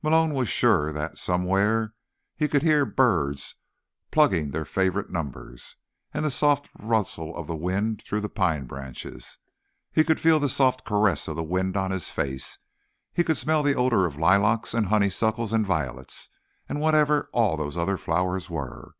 Malone was sure that, somewhere, he could hear birds plugging their favorite numbers, and the soft rustle of the wind through pine branches. He could feel the soft caress of the wind on his face, and he could smell the odor of lilacs and honeysuckles and violets and whatever all those other flowers were.